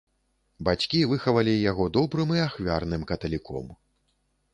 Бацькі выхавалі яго добрым і ахвярным каталіком.